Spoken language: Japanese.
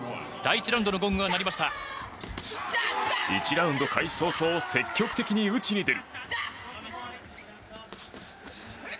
１ラウンド開始早々積極的に打ちに出る。